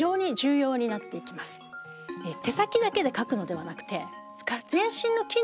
手先だけで書くのではなくて。